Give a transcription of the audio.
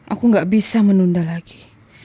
aku gak bisa menunda lagi